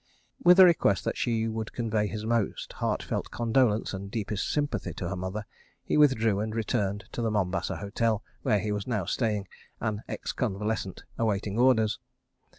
With a request that she would convey his most heart felt condolence and deepest sympathy to her mother, he withdrew and returned to the Mombasa Hotel, where he was now staying, an ex convalescent awaiting orders.